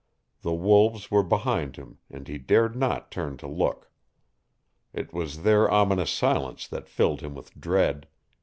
The wolves were behind him and he dared not turn to look. It was their ominous silence that filled him with dread.